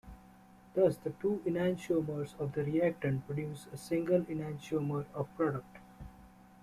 Thus, the two enantiomers of the reactant produce a single enantiomer of product.